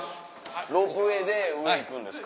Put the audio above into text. ロープウェイで上行くんですか。